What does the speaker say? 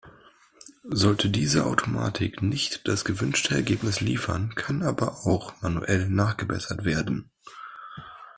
Sollte diese Automatik nicht das gewünschte Ergebnis liefern, kann aber auch manuell nachgebessert werden.